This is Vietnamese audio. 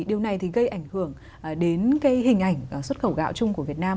điều này thì gây ảnh hưởng đến cái hình ảnh xuất khẩu gạo chung của việt nam